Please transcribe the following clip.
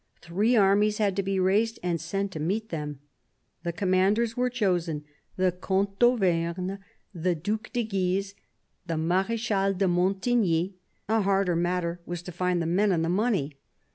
Three armies had to be raised and sent to meet them. The commanders were chosen — the Comte d'Auvergne, the Due de Guise, the Marechal de Montigny ; a harder matter was to find the men and the money.